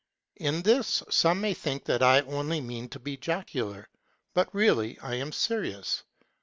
In this some may think that I only mean to be jocular, but really I am serious.